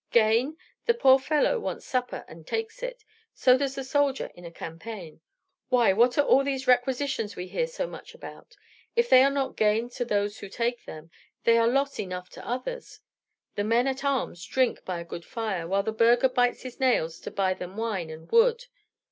"Gain! The poor fellow wants supper, and takes it. So does the soldier in a campaign. Why, what are all these requisitions we hear so much about? If they are not gain to those who take them, they are loss enough to the others. The men at arms drink by a good fire, while the burgher bites his nails to buy them wine and wood.